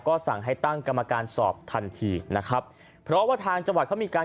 ก็สั่งให้ตั้งกรรมการสอบทันทีนะครับเพราะว่าทางจังหวัดเขามีการ